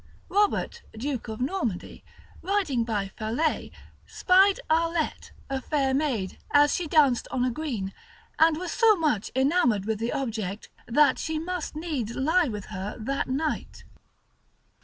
Robert, Duke of Normandy, riding by Falais, spied Arlette, a fair maid, as she danced on a green, and was so much enamoured with the object, that she must needs lie with her that night.